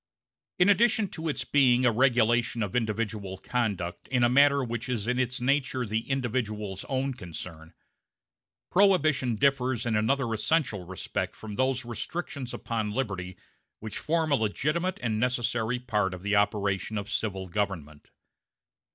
In addition to its being a regulation of individual conduct in a matter which is in its nature the individual's own concern, Prohibition differs in another essential respect from those restrictions upon liberty which form a legitimate and necessary part of the operation of civil government.